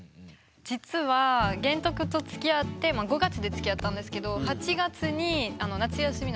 実は玄徳とつきあって５月でつきあったんですけど８月に夏休みなんじゃないですか。